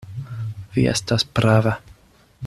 Vi estas prava.